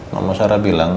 mama sarah bilang